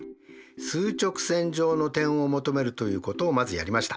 数直線上の点を求めるということをまずやりました。